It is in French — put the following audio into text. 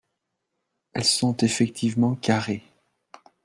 Elles sont effectivement carrées.